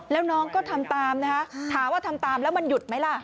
แล้วน้องก็ทำตามนะคะถามว่าทำตามแล้วมันหยุดไหมล่ะ